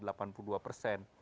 itu satu parah